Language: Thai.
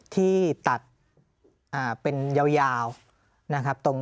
ที่ตัดเป็นยาวนะครับ